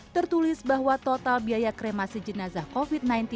tertulis bahwa total biaya kremasi jenazah covid sembilan belas